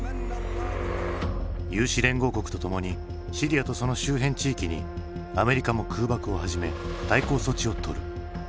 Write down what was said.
有志連合国とともにシリアとその周辺地域にアメリカも空爆を始め対抗措置をとる。